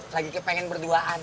lagi kepengen berduaan